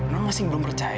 non masih belum percaya